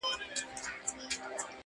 o لهشاوردروميګناهونهيېدلېپاتهسي,